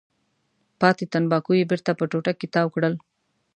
پاتې تنباکو یې بېرته په ټوټه کې تاو کړل.